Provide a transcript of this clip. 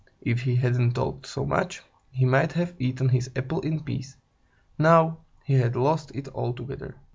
If he hadn't talked so much, he might have eaten his apple in peace. Now, he had lost it altogether.